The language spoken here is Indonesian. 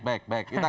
baik baik baik